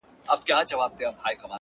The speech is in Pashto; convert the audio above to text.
هم دي عقل هم دي فکر پوپناه سو٫